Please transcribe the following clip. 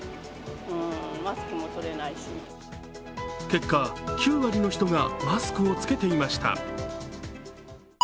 結果、９割の人がマスクを着けていました。